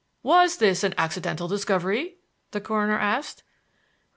"Was this an accidental discovery?" the coroner asked.